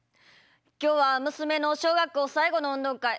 今日は娘の小学校最後の運動会。